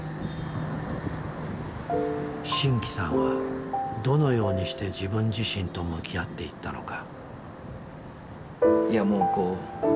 真気さんはどのようにして自分自身と向き合っていったのか。